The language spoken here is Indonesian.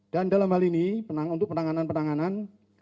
dalam hal ini untuk penanganan penanganan